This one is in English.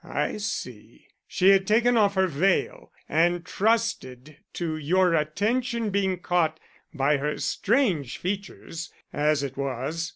"I see. She had taken off her veil and trusted to your attention being caught by her strange features, as it was.